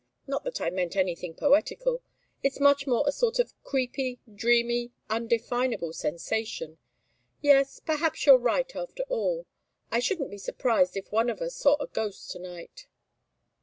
Not that I meant anything poetical. It's much more a sort of creepy, dreamy, undefinable sensation. Yes perhaps you're right after all. I shouldn't be surprised if one of us saw a ghost to night."